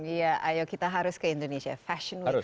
iya ayo kita harus ke indonesia fashion week